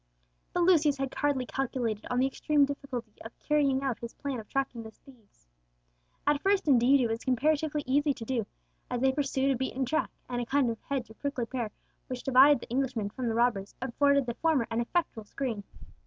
But Lucius had hardly calculated on the extreme difficulty of carrying out his plan of tracking the thieves. At first, indeed, it was comparatively easy to do so, as they pursued a beaten track, and a kind of hedge of prickly pear, which divided the Englishman from the robbers, afforded the former an effectual screen.